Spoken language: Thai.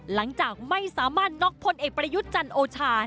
หลังจากไม่สามารถน็อกพลเอกประยุทธ์จันโอชา